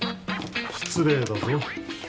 失礼だぞ。